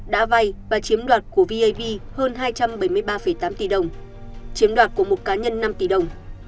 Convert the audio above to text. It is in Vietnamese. đã vay và chiếm đoạt của vib hơn hai trăm bảy mươi ba tám tỷ đồng chiếm đoạt của một cá nhân năm tỷ đồng